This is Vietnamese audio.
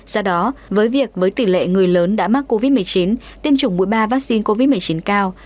do đó với việc với tỷ lệ người lớn đã mắc covid một mươi chín tiêm chủng mũi ba vaccine covid một mươi chín cao